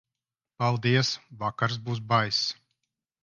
Paldies, vakars būs baiss.